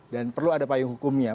dan perlu ada payung hukumnya